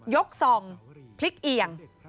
ยก๒พลิกเอียง